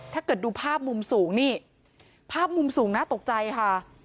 ถ้าเกิดดูภาพมุมสูงนี่ภาพมุมสูงน่าตกใจค่ะ